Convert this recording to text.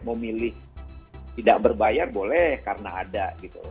mau milih tidak berbayar boleh karena ada gitu